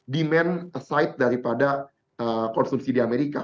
demand asight daripada konsumsi di amerika